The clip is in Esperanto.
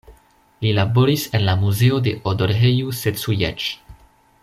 Li laboris en la Muzeo de Odorheiu Secuiesc.